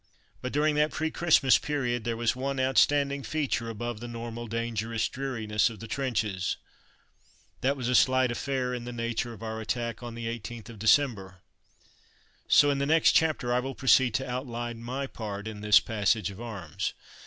But, during that pre Christmas period, there was one outstanding feature above the normal dangerous dreariness of the trenches: that was a slight affair in the nature of our attack on the 18th of December, so in the next chapter I will proceed to outline my part in this passage of arms.